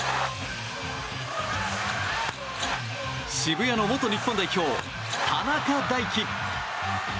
渋谷の元日本代表・田中大貴！